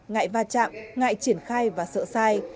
ngại va chạm ngại triển khai và sợ sai